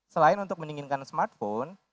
selain untuk meninginkan smartphone